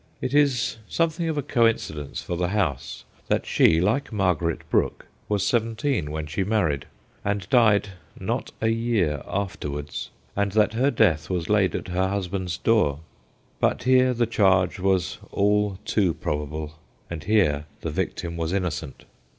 It is something of a coincidence for the house that she, like Margaret Brook, was seventeen when she married, and died not a year afterwards, and that her death was laid at her husband's door. But here the charge was all too probable, and here the victim was innocent.